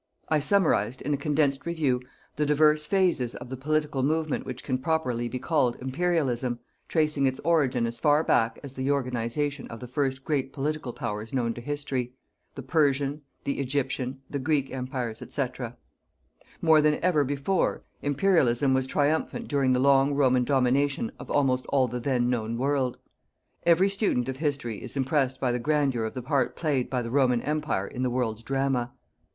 I summarized, in a condensed review, the divers phases of the political movement which can properly be called Imperialism, tracing its origin as far back as the organization of the first great political Powers known to History: the Persian, the Egyptian, the Greek Empires, &c. More than ever before, Imperialism was triumphant during the long Roman domination of almost all the then known world. Every student of History is impressed by the grandeur of the part played by the Roman Empire in the world's drama.